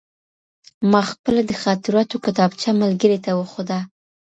ما خپله د خاطراتو کتابچه ملګري ته وښوده.